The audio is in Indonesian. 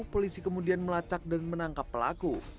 polisi kemudian melacak dan menangkap pelaku